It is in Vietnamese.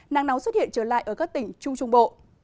nắng nóng xuất hiện trở lại ở các tỉnh trung trung bộ